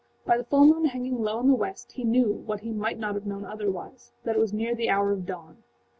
By the full moon hanging low in the west he knew what he might not have known otherwise: that it was near the hour of dawn.